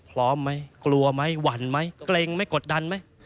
พร้อมไหมกลัวไหมหวั่นไหมเกร็งไหมกดดันไหม